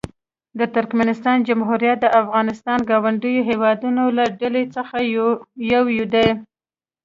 د ترکمنستان جمهوریت د افغانستان ګاونډیو هېوادونو له ډلې څخه یو دی.